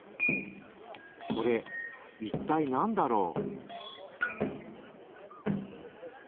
これいったいなんだろう？